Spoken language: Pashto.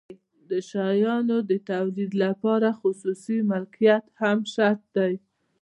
د شیانو د تولید لپاره خصوصي مالکیت هم شرط دی.